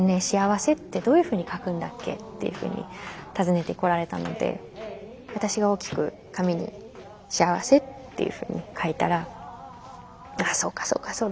しあわせってどういうふうに書くんだっけ」っていうふうに尋ねてこられたので私が大きく紙に「幸せ」っていうふうに書いたら「ああそうかそうか。